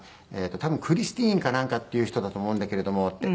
「多分クリスティーンかなんかっていう人だと思うんだけれども」って。